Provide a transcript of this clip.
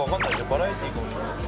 バラエティーかもしれないし。